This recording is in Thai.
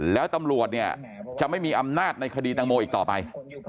แล้วตำรวจเนี่ยจะไม่มีอำนาจในคดีตังโมอีกต่อไป